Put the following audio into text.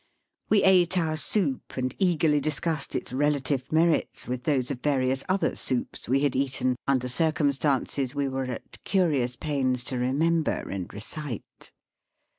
We ate our soup and eagerly discussed its relative merits with those of various other soups we had eaten under circumstance^ we were at curious pains to remember and recite.